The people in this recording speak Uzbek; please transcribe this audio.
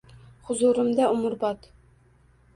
Huzurimda umrbod…»